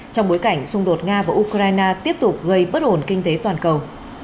trong bối cảnh xung đột nga và ukraine tiếp tục gây bất ổn kinh tế toàn cầu